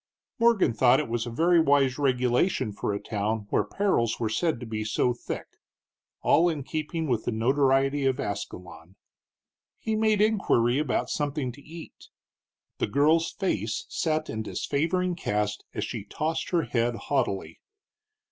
Morgan thought it was a very wise regulation for a town where perils were said to be so thick, all in keeping with the notoriety of Ascalon. He made inquiry about something to eat. The girl's face set in disfavoring cast as she tossed her head haughtily.